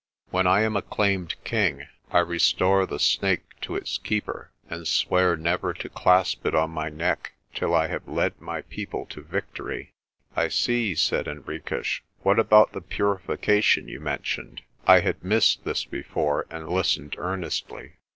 "When I am acclaimed king, I restore the Snake to its Keeper and swear never to clasp it on my neck till I have led my people to victory." "I see," said Henriques. "What about the purification you mentioned?' I had missed this before and listened earnestly.